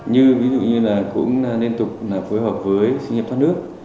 như ví dụ như là cũng liên tục phối hợp với sinh nghiệp thoát nước